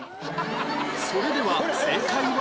それでは正解は？